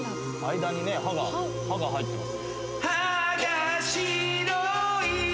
間にね「歯」が入ってます。